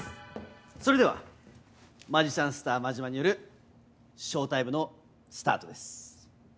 それではマジシャンスター真島によるショータイムのスタートです。